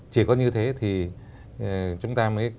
chỉ có như thế thì chúng ta mới